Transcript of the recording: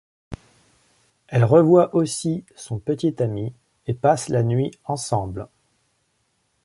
Elle revoit aussi son petit ami et passent la nuit ensemble.